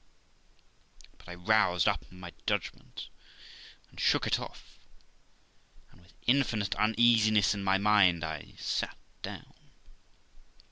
But I roused up my judgment, and shook it off, and with infinite uneasiness in my mind, I sat down.